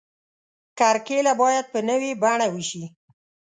کرکیله باید په نوې بڼه وشي.